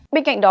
bên cạnh đó